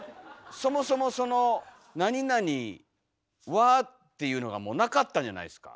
そもそもその「●●は」っていうのがもうなかったんじゃないですか。